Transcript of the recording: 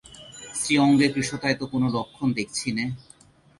শ্রীঅঙ্গে কৃশতায় তো কোনো লক্ষণ দেখছি নে।